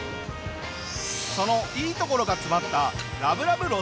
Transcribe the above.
そのいいところが詰まったラブラブ